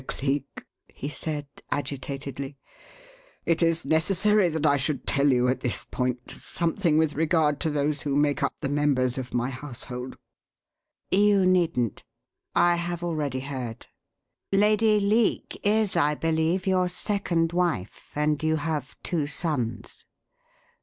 Cleek," he said, agitatedly, "it is necessary that I should tell you, at this point, something with regard to those who make up the members of my household." "You needn't. I have already heard. Lady Leake is, I believe, your second wife, and you have two sons."